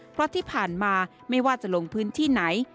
เพราะที่ผ่านมาไม่ว่าจะลงพื้นที่ไหน